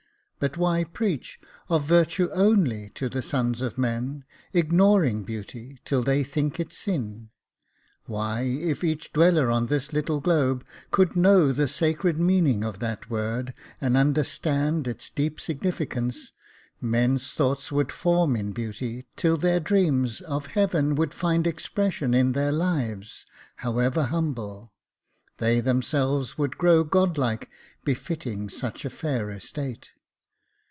But why preach Of virtue only to the sons of men, Ignoring beauty, till they think it sin? Why, if each dweller on this little globe Could know the sacred meaning of that word And understand its deep significance, Men's thoughts would form in beauty, till their dreams Of heaven would find expression in their lives, However humble; they themselves would grow Godlike, befitting such a fair estate.